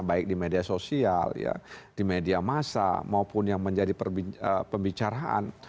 baik di media sosial di media masa maupun yang menjadi pembicaraan